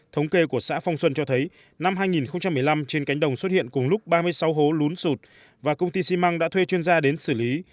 thống kê của xã phong xuân cho thấy năm hai nghìn một mươi năm trên cánh đồng xuất hiện cùng lúc ba mươi sáu hố lún sụt và công ty xi măng đã thuê chuyên gia đến xử lý